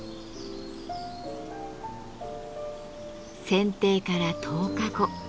剪定から１０日後。